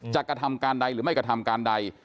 กระทำการใดหรือไม่กระทำการใด